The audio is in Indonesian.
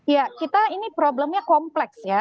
ya kita ini problemnya kompleks ya